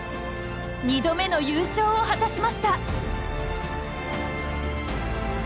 二度目の優勝を果たしました！